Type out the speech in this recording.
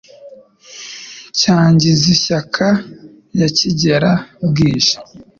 Cya Ngizishyaka ya Kigera-bwije,